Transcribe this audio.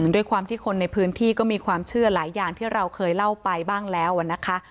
ด้วยความที่คนในพื้นที่ก็มีความเชื่อหลายอย่างที่เราเคยเล่าไปบ้างแล้วนะคะ